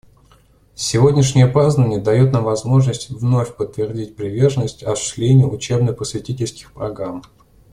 Сегодняшнее празднование дает нам возможность вновь подтвердить приверженность осуществлению учебно-просветительских программ.